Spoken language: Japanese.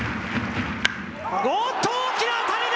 おっと、大きな当たりだ！